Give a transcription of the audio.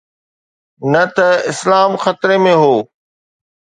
نه ته اسلام خطري ۾ هو.